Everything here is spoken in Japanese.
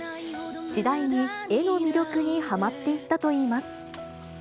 次第に絵の魅力にはまっていったといいます。